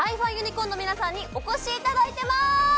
ｃｏｒｎの皆さんにお越しいただいてます